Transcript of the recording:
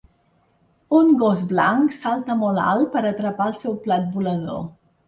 un gos blanc salta molt alt per atrapar el seu plat volador.